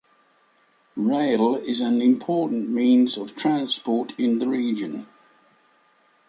Rail is an important means of transport in the region.